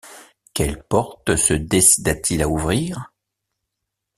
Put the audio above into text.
Quelle porte se décida-t-il à ouvrir?